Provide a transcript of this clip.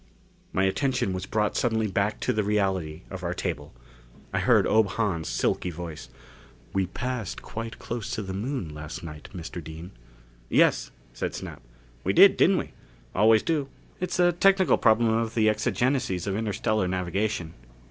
My attention was brought suddenly back to the reality of our table. I heard Ob Hahn's silky voice. "We passed quite close to the Moon last night, Mr. Dean." "Yes," said Snap. "We did, didn't we? Always do it's a technical problem of the exigencies of interstellar navigation.